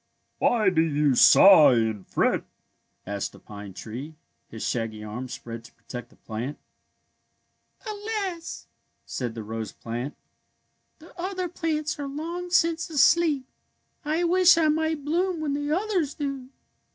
^' Why do you sigh and fret? " asked the pine tree, his shaggy arms spread to protect the plant. '* Alas! " said the rose plant, '^ the other plants are long since asleep. I wish I might bloom when the others do.